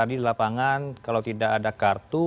jadi di lapangan kalau tidak ada kartu